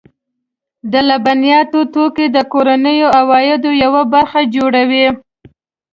د لبنیاتو توکي د کورنیو عوایدو یوه برخه جوړوي.